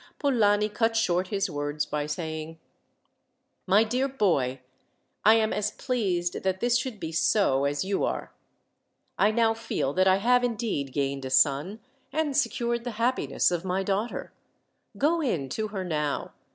Polani cut short his words by saying: "My dear boy, I am as pleased that this should be so as you are. I now feel that I have, indeed, gained a son and secured the happiness of my daughter. Go in to her now.